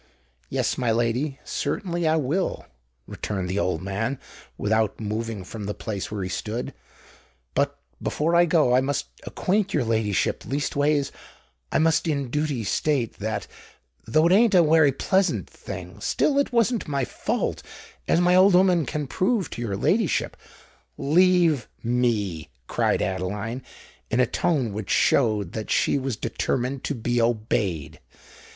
"Yes, my lady—certainly I will," returned the old man, without moving from the place where he stood: "but before I go—I must acquaint your ladyship—leastways, I must in dooty state that—though it ain't a wery pleasant thing—still it wasn't my fault—as my old 'ooman can prove to your ladyship——" "Leave me!" cried Adeline, in a tone which showed that she was determined to be obeyed.